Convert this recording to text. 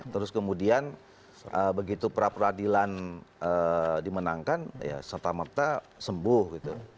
terus kemudian begitu pra peradilan dimenangkan ya serta merta sembuh gitu